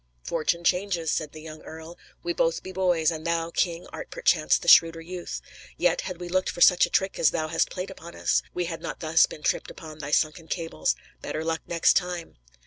"Fortune changes," said the young earl. "We both be boys; and thou, king, art perchance the shrewder youth. Yet, had we looked for such a trick as thou hast played upon us, we had not thus been tripped upon thy sunken cables. Better luck next time."